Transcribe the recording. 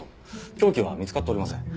凶器は見つかっておりません。